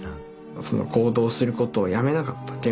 行動することをやめなかった。